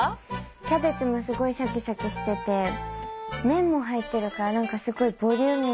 キャベツもすごいシャキシャキしてて麺も入ってるから何かすごいボリューミーで。